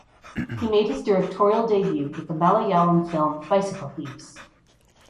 He made his directorial debut with the Malayalam film "Bicycle Thieves".